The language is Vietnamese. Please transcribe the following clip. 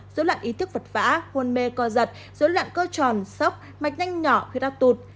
dấu loạn ý thức vật vã hôn mê co giật dấu loạn cơ tròn sốc mạch nhanh nhỏ khuyết áp tụt